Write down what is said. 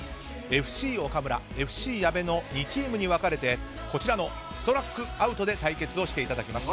ＦＣ岡村、ＦＣ矢部の２チームに分かれてストラックアウトで対決をしていただきます。